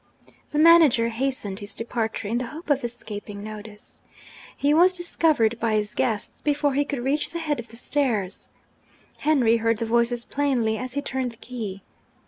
The manager hastened his departure, in the hope of escaping notice. He was discovered by his guests before he could reach the head of the stairs. Henry heard the voices plainly as he turned the key.